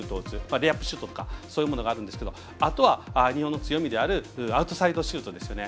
レイアップシュートとかそういうものがあるんですけどあとは日本の強みであるアシストシュートですよね。